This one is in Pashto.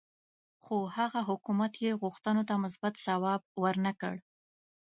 خو هغه حکومت یې غوښتنو ته مثبت ځواب ورنه کړ.